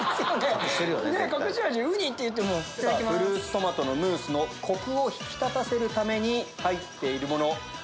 フルーツトマトのムースのコクを引き立たせるために入ってるもの。